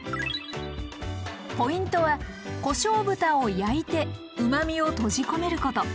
ポイントはこしょう豚を焼いてうまみを閉じ込めること。